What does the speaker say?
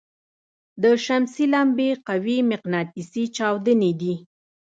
د شمسي لمبې قوي مقناطیسي چاودنې دي.